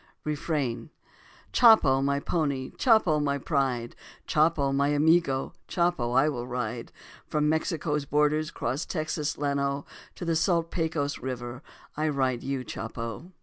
Refrain: Chopo, my pony, Chopo, my pride, Chopo, my amigo, Chopo I will ride. From Mexico's borders 'cross Texas' Llano To the salt Pecos River, I ride you, Chopo.